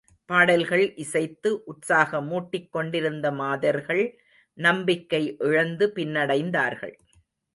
பாடல்கள் இசைத்து உற்சாகமூட்டிக் கொண்டிருந்த மாதர்கள் நம்பிக்கை இழந்து பின்னடைந்தார்கள்.